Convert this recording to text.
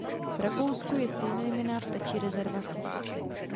V Rakousku je stejnojmenná ptačí rezervace.